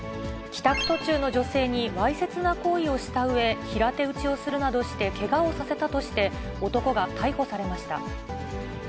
帰宅途中の女性にわいせつな行為をしたうえ、平手打ちをするなどしてけがをさせたとして、男が逮捕されました。